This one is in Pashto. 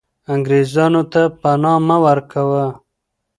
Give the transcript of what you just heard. انګریزانو ته پنا مه ورکوه.